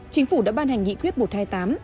chính phủ đã ban hành nghị quyết một trăm hai mươi tám